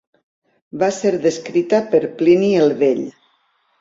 Va ser descrita per Plini el Vell.